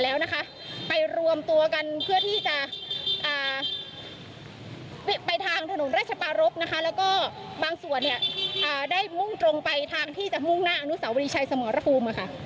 แล้วก็บางส่วนได้มุ่งตรงไปทางที่จะมุ่งหน้าอนุสาวรีชัยสมรภูมิค่ะ